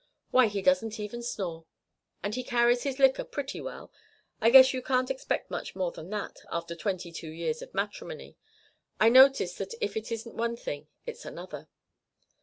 Why, he doesn't even snore. And he carries his liquor pretty well. I guess you can't expect much more than that after twenty two years of matrimony. I notice that if it isn't one thing it's another."